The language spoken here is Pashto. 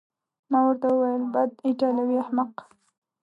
ما ورته وویل: بد، ایټالوی احمق.